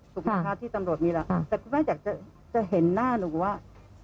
สุขภาพที่สำรวจมีแล้วแต่คุณแม่อยากจะจะเห็นหน้าหนูว่า